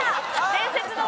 伝説の」